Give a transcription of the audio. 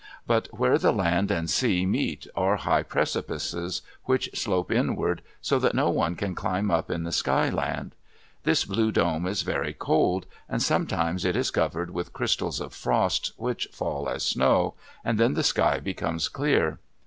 But where the land and sea meet are high precipices which slope inward so that no one can climb up in the Sky Land. This blue dome is very cold, and sometimes it is covered with crystals of frost which fall as snow, and then the sky becomes clear.